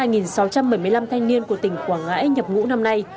trong số hai sáu trăm bảy mươi năm thanh niên của tỉnh quảng ngãi nhập vũ năm nay